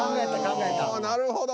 ああなるほど。